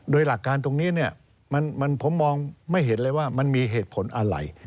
โดยหลักการตรงนี้เนี่ยผมมองไม่เห็นเลยว่ามันมีเหตุผลอะไร